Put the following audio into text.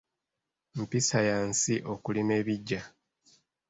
Mpisa ya nsi okulima ebiggya.